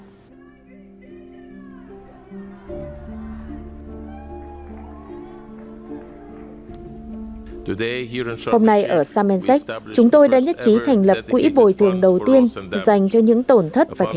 hôm nay ở sharm el sheikh chúng tôi đã nhất trí thành lập quỹ bồi thường đầu tiên dành cho những tổn thất và thiệt hại